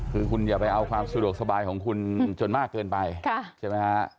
คือคุณอย่าไปเอาความสะดวกสบายของคุณจนมากเกินไปใช่ไหมฮะ